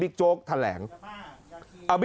ขอโทษครับ